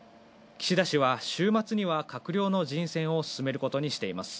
岸田氏は週末には閣僚の人選を進めることにしています。